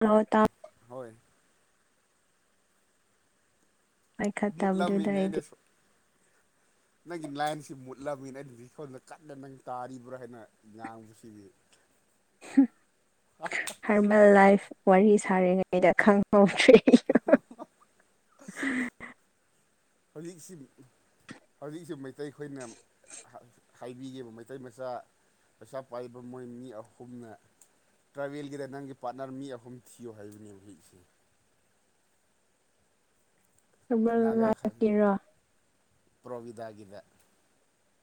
ꯑ ꯇꯝ ꯍꯣꯏ ꯄꯥꯏꯈꯠꯇꯕꯗꯨꯗ ꯃꯨꯠꯂꯝꯃꯤꯅꯦ ꯑꯩꯗꯤ ꯑꯩꯅꯁꯨ ꯅꯪꯒꯤ ꯂꯥꯏꯟꯁꯤ ꯃꯨꯠꯂꯝꯃꯤ ꯅꯠꯇꯔꯗꯤ ꯁꯣꯝꯗ ꯀꯟꯅ ꯅꯪ ꯇꯥꯔꯤꯕ꯭ꯔꯥ ꯍꯥꯏꯅ ꯥꯉꯥꯡꯕꯁꯤꯗꯤ [inaudible] [unintelligible] ꯍꯥꯔꯃꯦꯜ ꯂꯥꯏꯐ ꯋꯥꯔꯤ ꯁꯥꯔꯤꯉꯩꯗ ꯈꯪꯍꯧꯗ꯭ꯔꯤ ꯍꯧꯖꯤꯛꯁꯤ ꯍꯧꯖꯤꯛꯁꯨ ꯃꯩꯇꯩ ꯈꯣꯏꯅ ꯍꯥ ꯍꯥꯏꯕꯤꯒꯦꯕ ꯃꯩꯇꯩ ꯃꯆꯥ ꯄꯩꯁꯥ ꯄꯥꯏꯕ ꯃꯣꯏ ꯃꯤ ꯑꯍꯨꯝꯅ ꯇ꯭ꯔꯥꯚꯦꯜꯒꯤꯗ ꯅꯪꯒꯤ ꯄꯥꯔꯠꯅꯔ ꯃꯤ ꯑꯍꯨꯝ ꯊꯤꯌꯣ ꯍꯥꯏꯕꯅꯦ ꯍꯧꯖꯤꯛꯁꯦ ꯍꯔꯕꯦꯜ ꯅꯥꯒꯥꯈꯥ ꯂꯥꯏꯐꯀꯤꯔꯣ ꯄ꯭ꯔꯣꯕꯤꯗꯥꯒꯤꯗ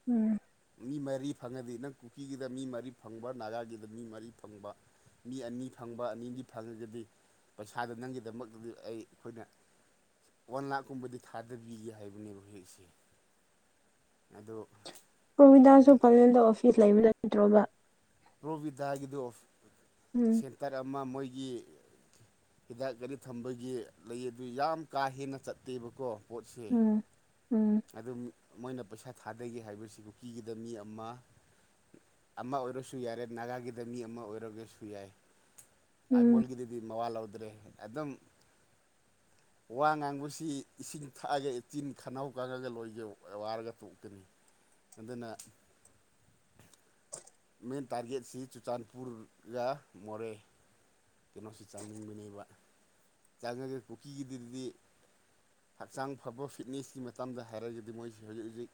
ꯎꯝ ꯃꯤ ꯃꯔꯤ ꯐꯪꯉꯗꯤ ꯅꯪ ꯀꯨꯀꯤꯒꯤꯗ ꯃꯤ ꯃꯔꯤ ꯐꯪꯕ ꯅꯒꯥꯒꯤꯗ ꯃꯤ ꯃꯔꯤ ꯐꯪꯕ ꯃꯤ ꯑꯅꯤ ꯐꯪꯕ ꯑꯅꯤꯒꯤ ꯐꯪꯉꯒꯗꯤ ꯄꯩꯁꯥꯗꯣ ꯅꯪꯒꯤꯗꯃꯛꯇꯗꯤ ꯑꯩ ꯑꯩꯈꯣꯏꯅ ꯋꯥꯟ ꯂꯥꯛꯀꯨꯝꯕꯗꯤ ꯊꯥꯗꯕꯤꯒꯦ ꯍꯥꯏꯕꯅꯦꯕ ꯍꯧꯖꯤꯛꯁꯦ ꯑꯗꯣ ꯒꯣꯕꯤꯟꯗꯥꯁꯨ ꯑꯗꯩ ꯄꯂꯦꯟꯗ ꯑꯣꯐꯤꯁ ꯂꯩꯕ ꯅꯠꯇ꯭ꯔꯣꯕ ꯄ꯭ꯔꯣꯚꯤꯗꯥꯒꯤꯗꯨ ꯎꯝ ꯁꯦꯟꯇꯔ ꯑꯃ ꯃꯣꯏꯒꯤ ꯍꯤꯗꯥꯛ ꯒꯥꯔꯤ ꯊꯝꯕꯒꯤ ꯂꯩ ꯑꯗꯨ ꯌꯥꯝ ꯀꯥ ꯍꯦꯟꯅ ꯆꯠꯇꯦꯕꯀꯣ ꯄꯣꯠꯁꯦ ꯎꯝ ꯎꯝ ꯑꯗꯨꯝ ꯃꯣꯏꯅ ꯄꯩꯁꯥ ꯊꯥꯗꯒꯦ ꯍꯥꯏꯕꯁꯤ ꯀꯨꯀꯤꯒꯤꯗ ꯃꯤ ꯑꯃ ꯑꯃ ꯑꯣꯏꯔꯁꯨ ꯌꯥꯔꯦ ꯅꯥꯒꯥꯒꯤꯗ ꯃꯤ ꯑꯃ ꯑꯣꯏꯔꯒꯁꯨ ꯌꯥꯏ ꯎꯝ ꯑꯃꯣꯜꯒꯤꯗ ꯗꯤ ꯃꯋꯥ ꯂꯧꯗ꯭ꯔꯦ ꯑꯗꯨꯝ ꯋꯥ ꯉꯥꯡꯕꯁꯤ ꯏꯁꯤꯡ ꯊꯛꯑꯒ ꯏꯆꯤꯟ ꯈꯅꯥꯎ ꯀꯛꯉꯒ ꯂꯣꯏꯒꯦ ꯋꯥꯔꯒ ꯇꯣꯛꯀꯅꯤ ꯑꯗꯨꯅ ꯃꯦꯟ ꯇꯥꯔꯒꯦꯠꯁꯤ ꯆꯨꯔꯆꯥꯟꯄꯨꯔꯒ ꯃꯣꯔꯦ ꯀꯩꯅꯣꯁꯤ ꯆꯪꯅꯤꯡꯕꯅꯦꯕ ꯆꯪꯉꯒꯦ ꯀꯨꯀꯤꯔꯤꯒꯤꯗꯨꯗꯤ ꯍꯛꯆꯥꯡ ꯐꯕ ꯐꯤꯠꯅꯦꯁꯀꯤ ꯃꯇꯝꯗ ꯍꯥꯏꯔꯒꯗꯤ ꯃꯣꯏꯁꯤ ꯍꯧꯖꯤꯛ ꯍꯧꯖꯤꯛ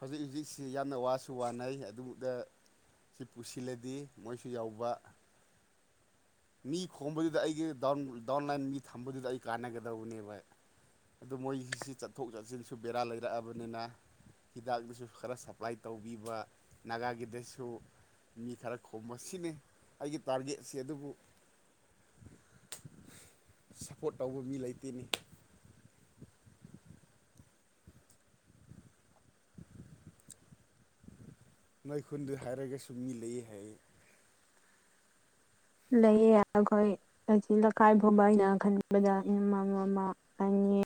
ꯍꯧꯖꯤꯛ ꯍꯧꯖꯤꯛ ꯁꯤ ꯌꯥꯝꯅ ꯋꯥꯁꯨ ꯋꯥꯅꯩ ꯑꯗꯨꯗ ꯁꯤ ꯄꯨꯁꯤꯜꯂꯗꯤ ꯃꯣꯏꯁꯨ ꯌꯥꯎꯕ [unintelligible] ꯃꯤ ꯈꯣꯝꯕꯗꯨꯗ ꯑꯩꯒꯤ ꯗꯥꯎꯟꯂꯥꯏꯟ ꯃꯤ ꯊꯝꯕꯗꯨꯗ ꯑꯩ ꯀꯥꯟꯅꯒꯗꯧꯕꯅꯦꯕꯥ ꯑꯗꯨ ꯃꯣꯏꯒꯤꯁꯤ ꯆꯠꯊꯣꯛ ꯆꯠꯁꯤꯟꯁꯨ ꯕꯦꯔꯥ ꯂꯩꯔꯛꯑꯕꯅꯤꯅ ꯍꯤꯗꯥꯛꯗꯨꯁꯨ ꯈꯔ ꯁꯄ꯭ꯂꯥꯏ ꯇꯧꯕꯤꯕ ꯅꯥꯒꯥꯒꯤꯗꯁꯨ ꯃꯤ ꯈꯔ ꯈꯣꯝꯃꯣ ꯁꯤꯅꯤ ꯑꯩꯒꯤ ꯇꯥꯔꯒꯦꯠꯁꯦ ꯑꯗꯨꯕꯨ [unintelligible] ꯁꯞꯄꯣꯔꯠ ꯇꯧꯕ ꯃꯤ ꯂꯩꯇꯦꯅꯦ ꯅꯣꯏ ꯈꯨꯨꯟꯗ ꯍꯥꯏꯔꯒꯁꯨꯨ ꯃꯤ ꯂꯩꯌꯦ ꯍꯥꯏꯌꯦ ꯂꯩꯌꯦ ꯑꯈꯣꯏ ꯑꯁꯤ ꯂꯩꯈꯥꯏ ꯐꯥꯎꯕ ꯑꯩꯅ ꯈꯟꯕꯗ ꯑꯃ ꯑꯃ ꯑꯅꯤ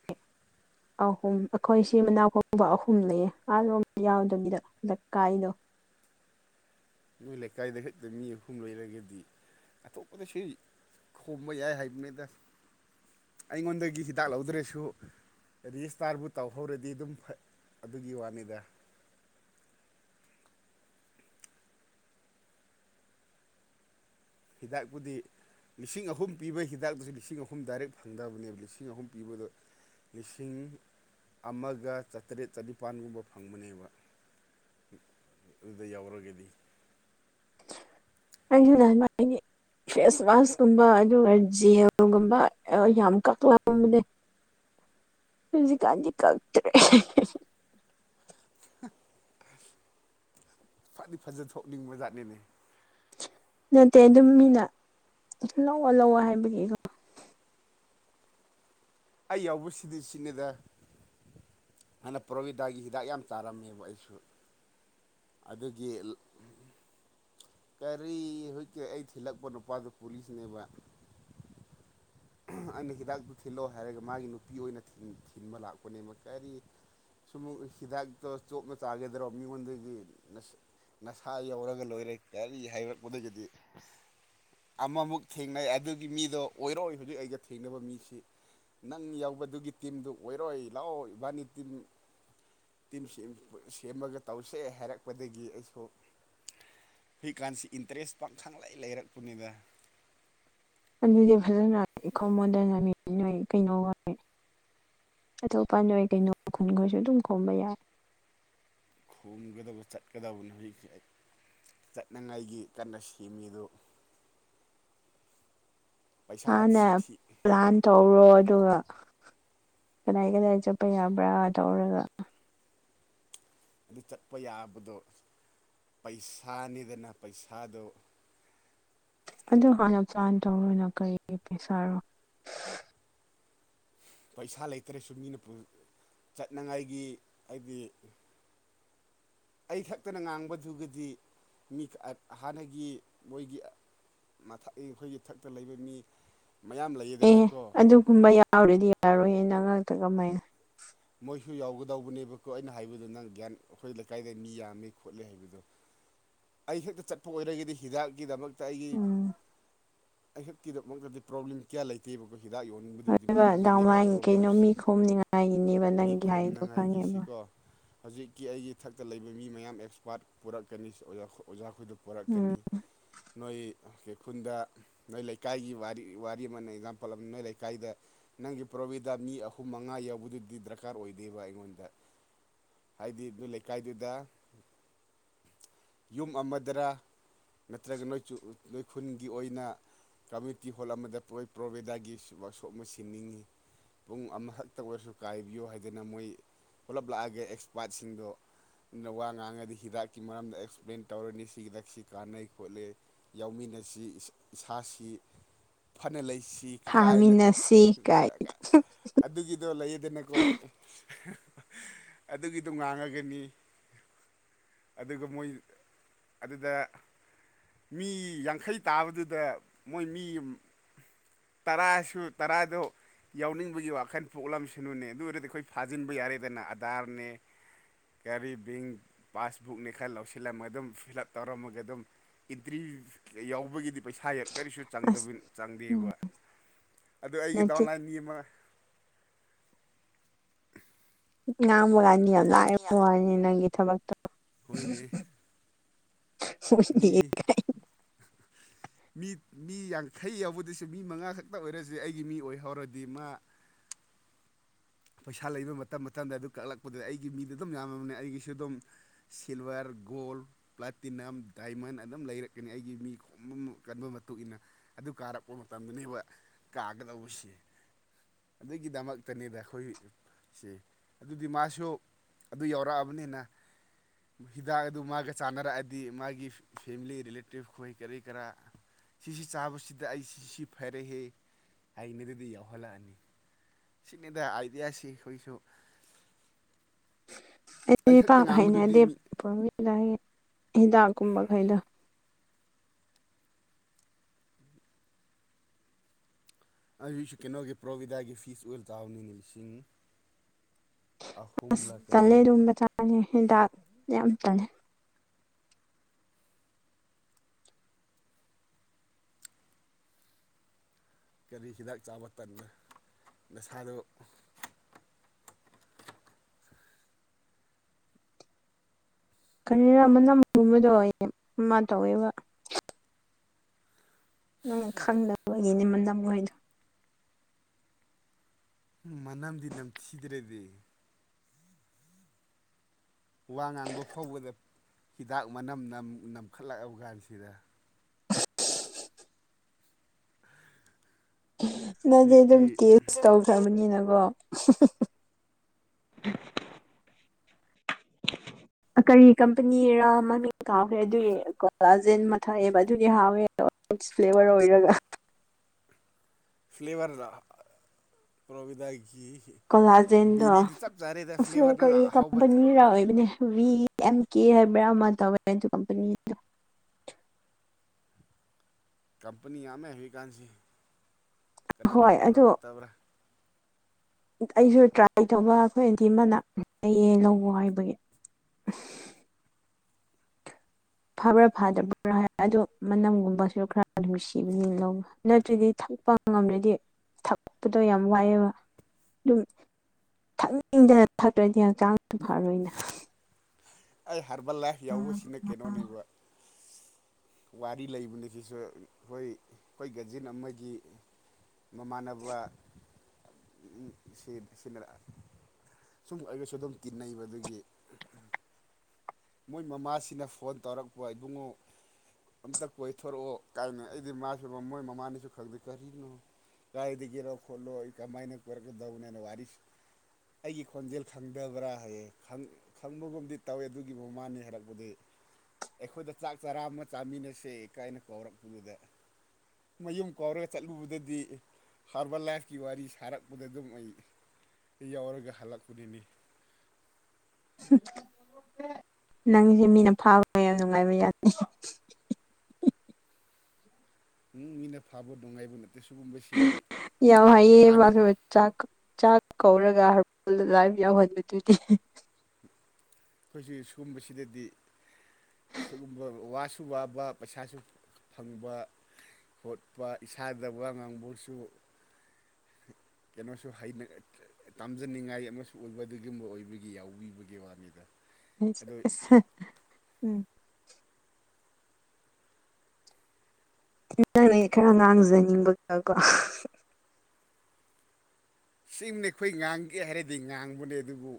ꯑꯍꯨꯝ ꯑꯩꯈꯣꯏ ꯁꯤ ꯃꯅꯥꯛꯐꯥꯎꯕ ꯑꯍꯨꯝ ꯂꯩꯌꯦ ꯑꯥꯔꯣꯝ ꯌꯥꯎꯗꯕꯤꯗ ꯂꯩꯀꯥꯏꯗꯣ ꯅꯣꯏ ꯂꯩꯀꯥꯏꯗ ꯈꯛꯇ ꯃꯤ ꯑꯍꯨꯝ ꯂꯩꯔꯒꯗꯤ ꯑꯇꯣꯞꯄꯗꯁꯨ ꯈꯣꯝꯕ ꯌꯥꯏ ꯍꯥꯏꯕꯅꯤꯗ ꯑꯩꯉꯣꯟꯗꯒꯤ ꯍꯤꯗꯥꯛ ꯂꯧꯗ꯭ꯔꯁꯨ ꯔꯤꯁꯇꯥꯔꯕꯨ ꯇꯧꯍꯧꯔꯗꯤ ꯑꯗꯨꯝ ꯐꯩ ꯑꯗꯨꯒꯤ ꯋꯥꯅꯤꯗ ꯍꯤꯗꯥꯛ ꯄꯨꯗꯤ ꯂꯤꯁꯤꯡ ꯑꯍꯨꯝ ꯄꯤꯕꯒꯤ ꯍꯤꯗꯥꯛꯇꯁꯨ ꯂꯤꯁꯤꯡ ꯑꯍꯨꯝ ꯗꯥꯏꯔꯦꯛ ꯐꯪꯗꯕꯅꯦꯕ ꯂꯤꯁꯤꯡ ꯑꯍꯨꯝ ꯄꯤꯕꯗꯣ ꯂꯤꯁꯤꯡ ꯑꯃꯒ ꯆꯥꯇ꯭ꯔꯦꯠ ꯆꯅꯤꯄꯥꯜꯒꯨꯝꯕ ꯐꯪꯕꯅꯦꯕ ꯑꯗꯨꯗ ꯌꯥꯎꯔꯒꯗꯤ ꯅꯪꯖꯨ ꯂꯥꯟꯕ ꯍꯥꯏꯗꯤ ꯐꯦꯁ ꯃꯥꯁꯀꯨꯝꯕ ꯑꯗꯨꯒ ꯖꯦꯜꯒꯨꯝꯕ ꯑ ꯌꯥꯝ ꯀꯛꯂꯕꯅꯦ ꯍꯨꯖꯤꯛꯀꯥꯟꯗꯤ ꯀꯛꯇꯔꯦ ꯍꯥ ꯐꯗꯤ ꯐꯖ ꯊꯣꯛꯅꯤꯡꯕ ꯖꯥꯠꯅꯤꯅꯦ ꯅꯠꯇꯦ ꯑꯗꯨꯝ ꯃꯤꯅ ꯂꯧꯑꯣ ꯂꯧꯑꯣ ꯍꯥꯏꯕꯒꯤ ꯀꯣ ꯑꯩ ꯌꯥꯎꯕ ꯁꯤꯗꯤ ꯁꯤꯅꯤꯗ ꯍꯥꯅ ꯄ꯭ꯔꯣꯕꯤꯗꯥꯒꯤ ꯍꯤꯗꯥꯛ ꯌꯥꯝ ꯆꯥꯔꯝꯃꯦꯕ ꯑꯩꯁꯨ ꯑꯗꯨꯒꯤ ꯀꯔꯤ ꯍꯖꯤꯛꯀꯤ ꯑꯩ ꯊꯤꯜꯂꯛꯄ ꯅꯨꯄꯥꯗꯨ ꯄꯨꯂꯤꯁꯅꯦꯕ ꯑꯩꯅ ꯍꯤꯗꯥꯛꯇꯨ ꯊꯤꯜꯂꯣ ꯍꯥꯏꯔꯒ ꯃꯥꯒꯤ ꯅꯨꯄꯤ ꯑꯣꯏꯅ ꯊꯤꯟ ꯊꯤꯟꯕ ꯂꯥꯛꯄꯅꯦꯕ ꯀꯔꯤ ꯁꯨꯝꯃꯨ ꯍꯤꯗꯥꯛꯇꯣ ꯆꯣꯞꯅ ꯆꯥꯒꯗ꯭ꯔꯣ ꯃꯤꯉꯣꯟꯗꯒꯤ ꯅꯁ__ ꯅꯁꯥ ꯌꯧꯔꯒ ꯂꯣꯏꯔꯦ ꯀꯔꯤ ꯍꯥꯏꯔꯛꯄꯗꯒꯤꯗꯤ ꯑꯃꯃꯨꯛ ꯊꯦꯡꯅꯩ ꯑꯗꯨꯒꯤ ꯃꯤꯗꯣ ꯑꯣꯏꯔꯣꯏ ꯍꯧꯖꯤꯛ ꯑꯩꯒ ꯊꯦꯡꯅꯕ ꯃꯤꯁꯤ ꯅꯪ ꯌꯥꯎꯕꯗꯨꯒꯤ ꯇꯤꯝꯗꯨ ꯑꯣꯏꯔꯣꯏ ꯂꯥꯛꯑꯣ ꯏꯕꯥꯅꯤ ꯇꯤꯝ__ ꯇꯤꯝꯁꯦꯝꯄ ꯁꯦꯝꯃꯒ ꯇꯧꯁꯦ ꯍꯥꯏꯔꯛꯄꯗꯒꯤ ꯑꯩꯁꯨ ꯍꯨꯏ ꯀꯥꯟꯁꯤ ꯏꯟꯇꯔꯦꯁ ꯄꯥꯡꯈꯪ ꯂꯩ ꯂꯩꯔꯛꯄꯅꯤꯗ ꯑꯗꯨꯗꯤ ꯐꯖꯅ ꯑꯩꯈꯣ ꯃꯣꯟꯗꯅꯃꯤ ꯅꯣꯏ ꯀꯩꯅꯣ ꯋꯥꯔꯤ ꯑꯇꯣꯞꯄꯥꯟ ꯅꯣꯏ ꯀꯩꯅꯣ ꯈꯨꯟꯈꯣꯏꯁꯨ ꯑꯗꯨꯝ ꯈꯣꯝꯕ ꯌꯥꯏ ꯈꯣꯝꯒꯗꯕ ꯆꯠꯀꯗꯕ ꯅꯣꯏ ꯈꯩ ꯆꯠꯅꯉꯥꯏꯒꯤ ꯀꯟꯅ ꯁꯦꯝꯃꯤꯗꯨ ꯍꯥꯟꯅ ꯄꯩꯁꯥꯁꯤ ꯊꯤ ꯄ꯭ꯂꯥꯟ ꯇꯧꯔꯣ ꯑꯗꯨꯒ ꯀꯗꯥꯏ ꯀꯗꯥꯏ ꯆꯠꯄ ꯌꯥꯕ꯭ꯔꯥ ꯇꯧꯔꯒ ꯑꯗꯨ ꯆꯠꯄ ꯌꯥꯕꯗꯣ ꯄꯩꯁꯥꯅꯤꯗꯅ ꯄꯩꯁꯥꯗꯣ ꯑꯗꯨ ꯍꯥꯟꯅ ꯄ꯭ꯂꯥꯟ ꯇꯧꯔꯣꯅ ꯀꯔꯤꯒꯤ ꯄꯩꯁꯥꯔꯣ ꯄꯩꯁꯥ ꯂꯩꯇ꯭ꯔꯁꯨ ꯃꯤꯅ ꯄꯨ ꯆꯠꯅꯉꯥꯏꯒꯤ ꯑꯩꯒꯤ ꯑꯩ ꯈꯛꯇꯅ ꯉꯥꯡꯕꯗꯨꯒꯤꯗꯤ ꯃꯤꯈ ꯑꯥꯠ ꯍꯥꯟꯅꯒꯤ ꯃꯣꯏꯒꯤ ꯑꯥ ꯃꯊꯛ ꯏ ꯑꯩꯈꯣꯏꯒꯤ ꯊꯛꯇ ꯂꯩꯕ ꯃꯤ ꯃꯌꯥꯝ ꯑꯦ ꯂꯩꯌꯦꯗꯅꯀꯣ ꯑꯗꯨꯒꯨꯝꯕ ꯌꯥꯎꯔꯗꯤ ꯌꯥꯔꯣꯏꯌꯦ ꯅꯪ ꯉꯥꯛꯇ ꯀꯃꯥꯏꯅ ꯃꯣꯏꯁꯨ ꯌꯥꯎꯒꯗꯧꯕꯅꯦꯕꯀꯣ ꯑꯩꯅ ꯍꯥꯏꯕꯗꯣ ꯅꯪ ꯒ꯭ꯌꯥꯟ ꯑꯩꯈꯣꯏ ꯂꯩꯀꯥꯏꯗ ꯃꯤ ꯌꯥꯝꯃꯦ ꯈꯣꯠꯂꯦ ꯍꯥꯏꯕꯗꯣ ꯑꯩꯁꯨ ꯍꯦꯛꯇ ꯆꯠꯄ ꯑꯣꯏꯔꯒꯗꯤ ꯍꯤꯗꯥꯛꯀꯤꯗꯃꯛꯇ ꯑꯩꯒꯤ__ ꯎꯝ ꯑꯩꯍꯛꯀꯤꯗꯃꯛꯇꯗꯤ ꯄ꯭ꯔꯣꯕ꯭ꯂꯦꯝ ꯀꯌꯥ ꯂꯩꯇꯦꯕꯀꯣ ꯍꯤꯗꯥꯛ ꯌꯣꯟ__ ꯅꯤꯡꯕꯗꯨꯗꯤꯃꯥ ꯑꯗꯨꯒ ꯑꯗꯨꯗꯅꯦꯕ ꯗꯥꯎꯃꯥꯏ ꯀꯩꯅꯣ ꯄ꯭ꯔꯣꯕ꯭ꯂꯦꯝꯁꯦ ꯃꯤ ꯈꯣꯝꯅꯤꯡꯉꯥꯏꯒꯤꯅꯦꯕ ꯃꯤ ꯅꯪꯒꯤ ꯍꯥꯏꯗꯣ ꯈꯪꯉꯦꯕ ꯈꯣꯝꯅꯉꯥꯏꯒꯤꯁꯤꯀꯣ ꯍꯧꯖꯤꯛꯀꯤ ꯑꯩꯒꯤ ꯊꯛꯇ ꯂꯩꯕ ꯃꯤ ꯃꯌꯥꯝ ꯑꯦꯛꯁꯄꯥꯔꯠ ꯄꯨꯔꯛꯀꯅꯤꯖ ꯑꯣꯖꯥꯈꯣ__ ꯑꯣꯖꯥꯈꯣꯏꯗ ꯎꯝ ꯄꯣꯔꯛꯀꯅꯤ ꯅꯣꯏ ꯑꯣꯈꯦ ꯈꯨꯨꯟꯗ ꯅꯣꯏ ꯂꯩꯀꯥꯏꯒꯤ ꯋꯥꯔꯤ ꯋꯥꯔꯤ ꯑꯃꯅ ꯑꯦꯛꯖꯥꯝꯄꯜ ꯑꯝ ꯅꯣꯏ ꯂꯩꯀꯥꯏꯗ__ ꯅꯪꯒꯤ ꯄ꯭ꯔꯣꯕꯤꯗꯥ ꯃꯤ ꯑꯍꯨꯝ ꯃꯉꯥ ꯌꯥꯎꯕꯗꯨꯗꯤ ꯗꯔꯀꯥꯔ ꯑꯣꯏꯗꯦꯕ ꯑꯩꯉꯣꯟꯗ ꯍꯥꯏꯗꯤ ꯑꯗꯨ ꯂꯩꯀꯥꯏꯗꯨꯗ ꯌꯨꯝ ꯑꯃꯗꯔ ꯅꯠꯇ꯭ꯔꯒ ꯅꯣꯏꯆꯨ ꯅꯣꯏ ꯈꯨꯟꯒꯤ ꯑꯣꯏꯅ ꯀꯝꯃꯨꯅꯤꯇꯤ ꯍꯣꯜ ꯑꯃꯗ ꯄꯣꯏ ꯄ꯭ꯔꯣꯕꯦꯗꯥꯒꯤꯁꯨ ꯑꯋꯥꯛꯁꯣꯞ ꯑꯃ ꯁꯤꯟꯅꯤꯡꯉꯤ ꯄꯨꯡ ꯑꯃꯈꯛꯇ ꯑꯣꯏꯔꯁꯨ ꯀꯥꯏꯕꯤꯌꯨ ꯍꯥꯏꯗꯅ ꯃꯣꯏ ꯄꯨꯂꯞ ꯂꯥꯛꯑꯒꯦ ꯑꯦꯛꯁꯄꯥꯠꯁꯤꯡꯗꯣ ꯅ ꯋꯥ ꯉꯥꯡꯉꯗꯤ ꯍꯤꯗꯥꯛꯀꯤ ꯃꯔꯝꯗ ꯑꯦꯁ ꯄ꯭ꯂꯦꯟ ꯇꯧꯔꯅꯤ ꯁꯤꯒꯤꯗꯛꯁꯤ ꯀꯥꯟꯅꯩ ꯈꯣꯠꯂꯦ ꯌꯥꯎꯃꯤꯟꯅꯁꯤ ꯏꯁꯥ ꯏꯁꯥꯁꯤ__ ꯐꯅ ꯂꯩꯁꯤ ꯀꯀꯥꯏꯅ ꯊꯥꯃꯤꯟꯅꯁꯤ ꯀꯥꯏ ꯆꯥꯒ ꯑꯗꯨꯒꯤꯗꯣ ꯂꯩꯌꯦꯗꯅꯀꯣ ꯑꯈꯣ__ ꯑꯗꯨꯒꯤꯗꯣ ꯉꯥꯡꯉꯒꯅꯤ ꯑꯗꯨꯒ ꯃꯣꯏ ꯑꯗꯨꯗ ꯃꯤ ꯌꯥꯡꯈꯩ ꯇꯥꯕꯗꯨꯗ ꯃꯣꯏ ꯃꯤꯌꯨꯝ__ ꯇꯔꯥꯁꯨ ꯇꯔꯥꯗꯣ ꯌꯥꯎꯅꯤꯡꯕꯒꯤ ꯋꯥꯈꯟ ꯄꯣꯛꯂꯝꯁꯅꯨꯅꯦ ꯑꯗꯨ ꯑꯣꯏꯔꯗꯤ ꯑꯩꯈꯣꯏ ꯐꯥꯖꯤꯟꯕ ꯌꯥꯔꯦꯗꯅ ꯑꯗꯥꯔꯅꯦ ꯒꯥꯔꯤ ꯕꯤꯡ ꯄꯥꯁꯕꯨꯛꯅꯤ ꯈꯜ ꯂꯧꯁꯤꯜꯂꯝꯃꯒ ꯑꯗꯨꯝ ꯐꯤꯜ ꯑꯞ ꯇꯧꯔꯝꯃꯒ ꯑꯗꯨꯝ__ ꯏꯟꯇ꯭ꯔꯤ ꯌꯥꯎꯕꯒꯤꯗꯤ ꯄꯩꯁꯥ ꯌꯦꯛ ꯀꯔꯤꯁꯨ ꯑꯁ ꯆꯪꯗꯕꯟ ꯎꯝ ꯆꯪꯗꯦꯕ ꯑꯗꯨ ꯑꯩꯒꯤ ꯅꯠꯇꯦ ꯗꯥꯎꯟꯂꯥꯏꯟꯒꯤ ꯑꯃ ꯉꯥꯡꯕ ꯀꯥꯟꯗꯤ ꯌꯥꯝ ꯂꯥꯏꯕ ꯋꯥꯅꯤ ꯅꯪꯒꯤ ꯊꯕꯛꯇꯣ ꯍꯣꯏꯅꯦ ꯎꯠꯅꯤꯑ ꯃꯤ [unintelligible] ꯃꯤ ꯃꯤ ꯌꯥꯡꯈꯩ ꯌꯥꯎꯕꯗꯁꯨ ꯃꯤ ꯃꯉꯥ ꯈꯛꯇ ꯑꯣꯏꯔꯁꯦ ꯑꯩꯒꯤ ꯃꯤ ꯑꯣꯏꯍꯧꯔꯗꯤ ꯃꯥ ꯄꯩꯁꯥ ꯂꯩꯕ ꯃꯇꯝ ꯃꯇꯝꯗ ꯑꯗꯨ ꯀꯛꯂꯛꯄꯗꯨꯗ ꯑꯩꯒꯤ ꯃꯤꯗ ꯑꯗꯨꯝ ꯌꯥꯝꯃꯕꯅꯦ ꯑꯩꯒꯤꯁꯨ ꯑꯗꯨꯝ ꯁꯤꯜꯚꯔ ꯒꯣꯜ ꯄ꯭ꯂꯥꯇꯤꯅꯝ ꯗꯥꯏꯃꯟ ꯑꯗꯨꯝ ꯂꯩꯔꯛꯀꯅꯤ ꯑꯩꯒꯤ ꯃꯤ ꯈꯣꯝ ꯀꯟꯕ ꯃꯇꯨꯡꯏꯟꯅ ꯑꯗꯨ ꯀꯥꯔꯛꯄ ꯃꯇꯝꯗꯅꯦꯕ ꯀꯥꯒꯗꯧꯕꯁꯤ ꯑꯗꯨꯒꯤꯗꯃꯛꯇꯅꯤꯗ ꯑꯩꯈꯣꯏ ꯁꯦ ꯑꯗꯨꯗꯤ ꯃꯥꯁꯨ ꯑꯗꯨ ꯌꯥꯎꯔꯛꯑꯕꯅꯤꯅ ꯍꯤꯗꯥꯛ ꯑꯗꯨ ꯃꯥꯒ ꯆꯥꯟꯅꯔꯛꯑꯗꯤ ꯃꯥꯒꯤ ꯐꯦꯃꯤꯂꯤ ꯔꯤꯂꯦꯇꯤꯞ ꯈꯣꯏ ꯀꯔꯤ ꯀꯔꯥ ꯁꯤꯁꯤ ꯆꯥꯕꯁꯤꯗ ꯑꯩ ꯁꯤ ꯐꯔꯦꯍꯦ ꯍꯥꯏꯅꯔꯗꯤ ꯌꯥꯎꯍꯜꯂꯛꯑꯅꯤ ꯁꯤꯅꯤꯗ ꯑꯥꯏꯗꯤꯌꯥꯁꯤ ꯈꯣꯏꯁꯨ ꯑꯩ ꯑꯩꯗꯤ ꯈꯛꯇ ꯄꯥꯛ ꯉꯥꯡꯕꯗꯨꯗꯤ ꯍꯩꯅꯗꯦ ꯃꯤ ꯄ꯭ꯔꯣꯕꯦꯗꯒꯤ ꯍꯤꯗꯥꯛꯀꯨꯝꯕꯈꯩꯗꯣ ꯑꯩꯁꯨ ꯀꯩꯅꯣꯒꯤ ꯄ꯭ꯔꯣꯕꯤꯗꯥꯒꯤ ꯐꯤꯁ ꯑꯣꯏꯜ ꯆꯥꯕꯅꯤꯅꯦ ꯂꯤꯁꯤꯡ ꯑꯁ ꯑꯍꯨꯝꯂ ꯇꯜꯂꯦ ꯀꯔꯤꯔ ꯑꯗꯨꯝꯕ ꯆꯥꯅꯤ ꯍꯤꯗꯥꯛ ꯌꯥꯝ ꯇꯜꯂꯦ ꯀꯔꯤ ꯍꯤꯗꯥꯛ ꯆꯥꯕ ꯇꯟꯕ ꯅꯁꯥꯗꯣ ꯀꯔꯤꯅ ꯃꯅꯝꯒꯨꯝꯕꯗꯣ ꯑꯩ [unintelligible] ꯃꯥ ꯇꯧꯋꯦꯕ ꯅꯪ ꯈꯪꯗꯕꯒꯤꯅꯦ ꯃꯅꯝꯍꯣꯏꯗꯣ ꯃꯅꯝꯗꯤ ꯅꯝꯊꯤꯗ꯭ꯔꯗꯤ ꯋꯥ ꯉꯥꯡꯕ ꯐꯥꯎꯕꯗ ꯍꯤꯗꯥꯛ ꯃꯅꯝ ꯅꯝꯈꯠꯂꯛꯑꯕ ꯅꯝꯈꯠꯂꯛꯑꯕ ꯒꯥꯟꯁꯤꯗ ꯅꯪꯗꯤ ꯑꯗꯨꯝ ꯍꯧꯖꯤꯛꯀꯤ ꯇꯦꯁ ꯇꯧꯈ꯭ꯔꯕꯅꯤꯅꯀꯣ [unintelligible] ꯀꯔꯤ ꯀꯝꯄꯅꯤꯔ ꯃꯃꯤꯡ ꯀꯥꯎꯈ꯭ꯔꯦ ꯑꯗꯨꯒꯤ ꯀꯣꯥꯂꯥꯖꯦꯟ ꯑꯃ ꯊꯛꯑꯦꯕ ꯑꯗꯨꯗꯤ ꯍꯥꯎꯋꯦ ꯐ꯭ꯔꯨꯠꯁ ꯐ꯭ꯂꯦꯕꯔ ꯑꯣꯏꯔꯒ ꯐ꯭ꯂꯦꯕꯔ ꯔ ꯄ꯭ꯔꯣꯕꯤꯗꯥꯒꯤ ꯀꯣꯂꯥꯖꯦꯟꯗꯣ ꯕꯦꯔꯤꯗꯨ ꯆꯞ ꯆꯥꯔꯦꯗ ꯐ꯭ꯂꯦꯕꯔ [unintelligible] ꯅꯪ ꯀꯔꯤ ꯑꯍꯥꯎꯕ ꯀꯝꯄꯅꯤꯔ ꯑꯣꯏꯕꯅꯦ ꯚꯤ ꯑꯦꯝ ꯀꯦ ꯍꯥꯏꯕ꯭ꯔꯥ ꯑꯃ ꯇꯧꯋꯦ ꯑꯗꯨ ꯀꯝꯄꯅꯤꯗꯣ ꯀꯝꯄꯅꯤ ꯌꯥꯝꯃꯦ ꯍꯧꯖꯤꯛꯀꯥꯟꯁꯤ ꯀꯅꯥꯅ ꯍꯣꯏ ꯐꯕ꯭ꯔꯥ ꯑꯗꯣ ꯐꯠꯇꯕ꯭ꯔꯥ ꯑꯩꯁꯨ ꯇ꯭ꯔꯥꯏ ꯇꯧꯕ ꯑꯩꯈꯣꯏ ꯑꯟꯇꯤ ꯑꯃꯅ ꯐꯩꯌꯦ ꯂꯧꯋꯣ ꯍꯥꯏꯕꯒꯤ ꯐꯕ꯭ꯔꯥ ꯐꯗꯕ꯭ꯔꯥ ꯍꯥꯏ ꯑꯗꯣ ꯃꯅꯝꯒꯨꯝꯕꯁꯨ ꯈ꯭ꯔ ꯑꯗꯨꯝ ꯅꯨꯡꯁꯤꯕꯅꯤꯅ ꯂꯧꯕ ꯅꯠꯇ꯭ꯔꯗꯤ ꯊꯛꯄ ꯉꯝꯗ꯭ꯔꯗꯤ ꯊꯛꯄꯗꯣ ꯌꯥꯝ ꯋꯥꯏꯑꯦꯕ ꯑꯗꯨꯝ ꯊꯛꯅꯤꯡꯗꯅ ꯊꯛꯔꯗꯤ ꯍꯛꯆꯥꯡꯁꯨ ꯐꯔꯣꯏꯅ ꯑꯩ ꯍꯔꯕꯜ ꯂꯥꯏꯐ ꯌꯥꯎꯕꯁꯤꯅ ꯀꯩꯅꯣꯅꯦꯕ ꯋꯥꯔꯤ ꯂꯩꯕꯅꯤ ꯁꯤꯁꯨ ꯑꯈꯣꯏ ꯑꯩꯈꯣꯏ ꯀꯖꯤꯟ ꯑꯃꯒꯤ ꯃꯃꯥꯟꯅꯕ ꯁꯤꯟ ꯁꯤꯟꯅꯔꯛ ꯁꯨꯝ ꯑꯩꯒꯁꯨ ꯑꯗꯨꯝ ꯇꯤꯟꯅꯩꯕ ꯑꯗꯨꯒꯤ ꯃꯣꯏ ꯃꯃꯥꯁꯤꯅ ꯐꯣꯟ ꯇꯧꯔꯛꯄ ꯏꯕꯨꯡꯉꯣ ꯑꯝꯇ ꯀꯣꯏꯊꯣꯔꯛꯑꯣ ꯀꯥꯏꯅ ꯑꯩꯗꯤ ꯃꯥꯁꯨ ꯃꯣꯏ ꯃꯃꯥꯅꯤꯁꯨ ꯈꯪꯗꯦ ꯀꯔꯤꯅꯣ ꯀꯏꯗꯒꯤꯔꯣ ꯈꯣꯂꯣ ꯀꯃꯥꯏꯅ ꯀꯣꯢꯔꯛꯀꯗꯧꯕꯅꯣ ꯍꯥꯢꯅ ꯋꯥꯔꯤ ꯑꯩꯒꯤ ꯈꯣꯟꯖꯦꯜ ꯈꯪꯗꯕ꯭ꯔꯥ ꯍꯥꯏꯌꯦ ꯈꯪ ꯈꯪꯕꯒꯨꯝꯗꯤ ꯇꯧꯋꯦ ꯑꯗꯨꯒꯤ ꯃꯃꯥꯅꯦ ꯍꯥꯏꯔꯛꯄꯗꯩ ꯑꯩꯈꯣꯏꯗ ꯆꯥꯛ ꯆꯔꯥ ꯑꯃ ꯆꯥꯃꯤꯟꯅꯁꯦ ꯀꯥꯏꯅ ꯀꯧꯔꯛꯄꯗꯨꯗ ꯃꯌꯨꯝ ꯀꯧꯔꯒ ꯆꯠꯂꯨꯕꯗꯗꯤ ꯍꯥꯔꯕꯜ ꯂꯥꯏꯐꯀꯤ ꯋꯥꯔꯤ ꯁꯥꯔꯛꯄꯗ ꯑꯗꯨꯝ ꯑꯩ ꯌꯥꯎꯔꯒ ꯍꯜꯂꯛꯄꯅꯤꯅꯦ [unintelligible] ꯅꯪꯁꯦ ꯃꯤꯅ ꯐꯥꯕ ꯌꯥꯝ ꯅꯨꯡꯉꯥꯏꯕ ꯌꯥꯠꯅꯤ [unintelligible] ꯃꯤꯅ ꯐꯥꯕ ꯅꯨꯡꯉꯥꯏꯕ ꯅꯠꯇꯦ ꯁꯤꯒꯨꯝꯕꯁꯤꯗꯤ ꯌꯥꯝ ꯍꯩꯌꯦꯕ ꯍꯥꯟꯅ ꯑꯗꯨꯒ ꯆꯥꯛ ꯆꯥꯛ ꯀꯧꯔꯒ ꯍꯜꯕꯦꯜ ꯂꯥꯏꯕ ꯌꯥꯎꯍꯟꯕꯗꯨꯗꯤ ꯑꯩꯈꯣꯏꯁꯤ ꯁꯨꯒꯨꯝꯕꯁꯤꯗꯗꯤ ꯁꯨꯒꯨꯝꯕ ꯋꯥꯁꯨ ꯋꯥꯕ ꯄꯩꯁꯥꯁꯨ ꯐꯪꯕ ꯍꯣꯠꯄ ꯏꯁꯥꯗ ꯋꯥ ꯉꯥꯡꯕꯕꯨꯁꯨ ꯀꯩꯅꯣꯁꯨ ꯍꯩꯅ ꯇꯝꯖꯅꯤꯡꯉꯥꯏ ꯑꯃꯁꯨ ꯑꯣꯏꯕ ꯑꯗꯨꯒꯨꯝꯕ ꯑꯣꯏꯕꯒꯤ ꯌꯥꯎꯕꯤꯕꯒꯤ ꯋꯥꯅꯤꯗ ꯑꯗꯣ ꯎꯝ ꯅꯪꯅ ꯈꯔ ꯉꯥꯡꯖꯅꯤꯡꯕꯒꯀꯣ ꯁꯤꯃꯦ ꯈꯣꯏ ꯉꯥꯡꯒꯦ ꯍꯥꯏꯔꯗꯤ ꯉꯥꯡꯕꯅꯦ ꯑꯗꯨꯕꯨ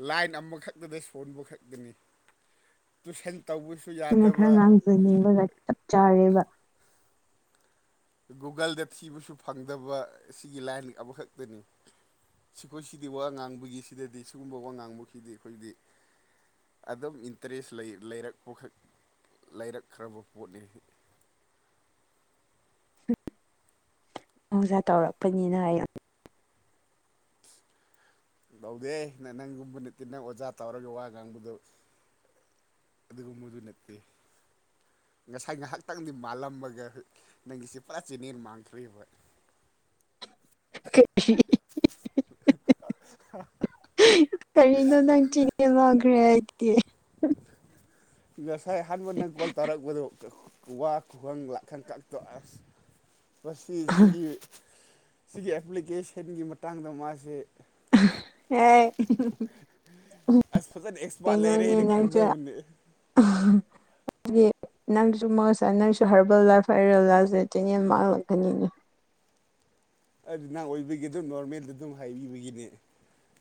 ꯂꯥꯏꯟ ꯑꯃꯈꯛꯇꯗ ꯁꯣꯟꯕ ꯈꯛꯇꯅꯦ ꯇꯨꯏꯁꯟ ꯇꯧꯕꯁꯨ ꯅꯪꯅ ꯈꯔ ꯌꯥꯗꯕ ꯉꯥꯡꯖꯅꯤꯡꯕꯒ ꯆꯞ ꯆꯥꯔꯦꯕ ꯒꯨꯒꯜꯗ ꯊꯤꯕꯁꯨ ꯐꯪꯗꯕ ꯑꯁꯤꯒꯤ ꯂꯥꯏꯟ ꯑꯃꯈꯛꯇꯅꯤ ꯁꯤꯈꯣꯏ ꯁꯤꯗꯤ ꯋꯥ ꯉꯥꯡꯕꯒꯤ ꯁꯤꯗꯗꯤ ꯁꯤꯒꯨꯝꯕ ꯋꯥ ꯉꯥꯡꯕꯈꯤꯗꯤ ꯑꯩꯈꯣꯏꯗꯤ ꯑꯗꯨꯝ ꯏꯟꯇꯔꯦꯁ ꯂꯩ ꯂꯩꯔꯛꯄꯈꯛ ꯂꯩꯔꯛꯈ꯭ꯔꯕ ꯄꯣꯠꯅꯦ ꯑꯣꯖꯥ ꯇꯧꯔꯛꯄꯅꯤꯅ ꯍꯥꯏꯌꯣ ꯇꯧꯗꯦ ꯅꯪ ꯅꯪꯒꯨꯝꯕ ꯅꯠꯇꯦ ꯅꯪ ꯑꯣꯖꯥ ꯇꯧꯔꯒ ꯋꯥ ꯉꯥꯡꯕꯗꯣ ꯑꯗꯨꯒꯨꯝꯕꯗꯨ ꯅꯠꯇꯦ ꯉꯁꯥꯏ ꯉꯥꯏꯍꯥꯛꯇꯪꯗꯤ ꯃꯥꯜꯂꯝꯃꯒ ꯅꯪꯒꯤꯁꯦ ꯄꯨꯔꯥ ꯆꯦꯟꯅꯦꯜ ꯃꯥꯡꯈ꯭ꯔꯦꯕ [inaudible] [unintelligible] ꯀꯔꯤꯅꯣ ꯅꯪ ꯆꯦꯟꯅꯦꯜ ꯃꯥꯈ꯭ꯔꯦ ꯍꯥꯏꯗꯤ [unintelligible] ꯉꯁꯥꯏ ꯑꯍꯥꯟꯕ ꯅꯪ ꯀꯣꯜ ꯇꯔꯛꯄꯗꯣ ꯋꯥ ꯈꯨꯍꯪ ꯂꯥꯛ ꯈꯥꯟ ꯀꯛꯇ [inaudible] ꯃꯁꯤ ꯁꯤꯒꯤ ꯁꯤꯒꯤ ꯑꯦꯄ꯭ꯂꯤꯀꯦꯁꯟꯒꯤ ꯃꯇꯥꯡꯗ ꯃꯥꯁꯦ ꯑꯦ ꯑꯁ ꯐꯥꯖꯅ ꯑꯦꯛꯁꯄꯥꯔꯠ ꯂꯩꯔꯦꯅ ꯈꯟꯖꯕꯅꯦ ꯑꯥ ꯍꯥ ꯑꯩꯗꯤ ꯅꯪꯁꯨ ꯃꯁꯥꯏ ꯅꯪꯁꯨ ꯍꯔꯕꯦꯜ ꯂꯥꯏꯐ ꯍꯔꯕꯦꯜ ꯂꯥꯥꯏꯐꯁꯦ ꯆꯦꯅꯦꯜ ꯃꯥꯡꯂꯛꯀꯅꯤꯅꯦ ꯑꯗꯨ ꯅꯪ ꯑꯣꯏꯕꯒꯤ ꯑꯗꯨꯝ ꯅꯣꯔꯃꯦꯜꯗ ꯑꯗꯨꯝ ꯍꯥꯏꯕꯤꯕꯒꯤꯅꯦ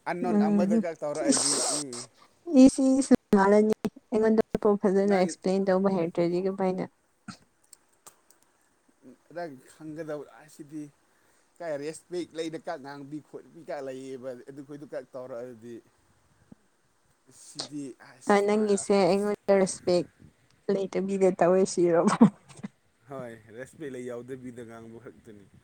ꯑꯟꯅꯣꯟ ꯑꯃꯗꯒ ꯇꯧꯔꯛꯑꯗꯤ ꯎꯝ ꯏꯁ ꯏꯁ ꯃꯥꯜꯂꯅꯤ ꯑꯩꯉꯣꯟꯗ ꯐꯥꯎ ꯐꯥꯖꯅ ꯅꯪ ꯑꯦꯛꯁꯄ꯭ꯂꯦꯟ ꯇꯧꯕ ꯍꯩꯔꯛꯇ꯭ꯔꯦꯗꯤ ꯀꯃꯥꯏꯅ ꯅꯪ ꯈꯪꯒꯗꯕ ꯑꯁꯤꯗꯤ ꯀ ꯔꯦꯁꯄꯦꯛ ꯂꯩꯅ ꯀ ꯉꯥꯡꯕꯤ ꯈꯣꯠꯕꯤ ꯀ ꯂꯩꯌꯦꯕ ꯑꯗꯨꯈꯣꯏꯗꯨ ꯀ ꯇꯧꯔꯛꯑꯗꯤ [inaudible] ꯑꯁꯤꯗꯤ ꯅꯪꯒꯤꯁꯦ ꯑꯩꯉꯣꯟꯗ ꯔꯦꯁꯄꯦꯛ ꯂꯩꯇꯕꯤꯗ ꯇꯧꯋꯦ ꯁꯤꯔꯣꯕ ꯍꯣꯏ ꯔꯦꯁꯄꯦꯛ ꯌꯥꯎꯗꯕꯤꯗ ꯉꯥꯡꯕ ꯈꯛꯇꯅꯤ